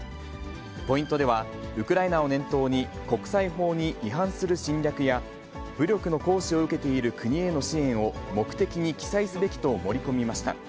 ポイントでは、ウクライナを念頭に、国際法に違反する侵略や、武力の行使を受けている国への支援を目的に記載すべきと盛り込みました。